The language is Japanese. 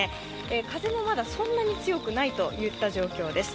風もまだそんなに強くないといった状況です。